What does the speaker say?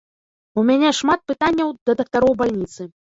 У мяне шмат пытанняў да дактароў бальніцы.